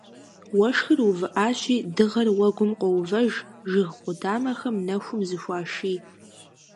Уэшхыр увыӏащи, дыгъэр уэгум къоувэж, жыг къудамэхэм нэхум зыхуаший.